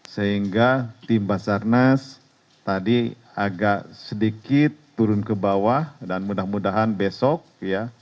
sehingga tim basarnas tadi agak sedikit turun ke bawah dan mudah mudahan besok ya